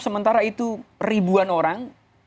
sementara itu ribuan orang